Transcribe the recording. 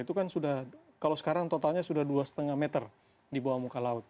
itu kan sudah kalau sekarang totalnya sudah dua lima meter di bawah muka laut